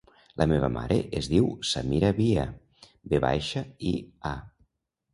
La meva mare es diu Samira Via: ve baixa, i, a.